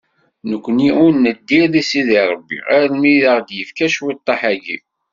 Nekkni ur neddir deg Sidi Rebbi almi i aɣ-d-yefka cwiṭeḥ-agi.